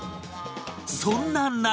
そんな中